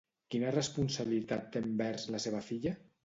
Quina responsabilitat té envers la seva filla?